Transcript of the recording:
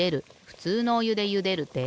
ふつうのおゆでゆでるで。